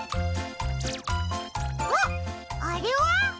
あっあれは？